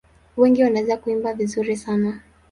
Wengi wanaweza kuimba vizuri sana.